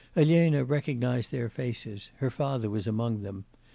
Elena recognised their faces; her father was among them.